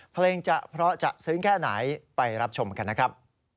เพลงจะเพราะจะซึ้งแค่ไหนไปรับชมกันนะครับ